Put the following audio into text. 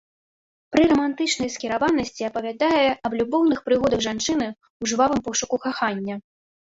Пры рамантычнай скіраванасці апавядае аб любоўных прыгодах жанчыны ў жвавым пошуку кахання.